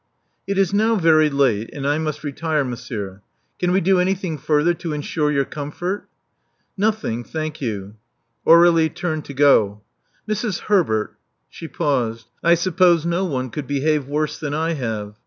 It is now very late; and I must retire, monsieur. Can we do anything further to insure your comfort?" Nothing, thank you." Aurdlie turned to go. Mrs. Herbert." She paused. ! suppose no one could behave worse than I have.